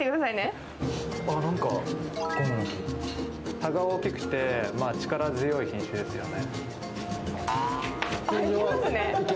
葉が大きくて力強い品種ですよね。